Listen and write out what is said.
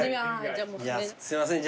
すいません